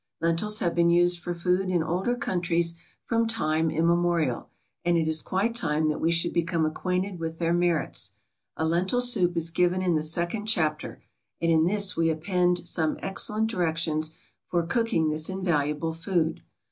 Lentils have been used for food in older countries from time immemorial, and it is quite time that we should become acquainted with their merits; a lentil soup is given in the second chapter, and in this we append some excellent directions for cooking this invaluable food.